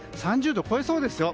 ３０度を超えそうですよ。